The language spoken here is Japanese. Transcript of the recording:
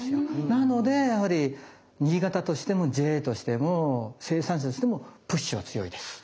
なのでやはり新潟としてもＪＡとしても生産者としてもプッシュは強いです。